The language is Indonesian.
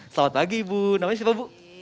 selamat pagi ibu namanya siapa bu